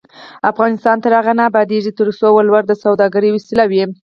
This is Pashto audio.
افغانستان تر هغو نه ابادیږي، ترڅو ولور د سوداګرۍ وسیله وي.